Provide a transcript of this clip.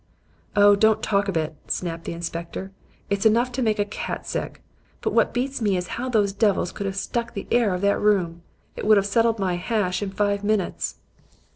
"'Oh, don't talk of it,' snapped the inspector. 'It's enough to make a cat sick. But what beats me is how those devils could have stuck the air of that room. It would have settled my hash in five minutes.'